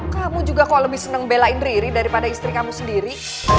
kamu juga kalau lebih seneng belain riri daripada istri kamu sendiri